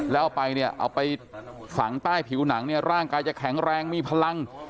แล้วเอาไปฝั่งใต้ผิวหนังร่างกายจะแข็งแรงมีพลัง